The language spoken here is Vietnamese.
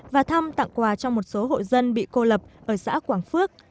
và thăm tặng quà cho một số hộ dân bị cô lập ở xã quảng phước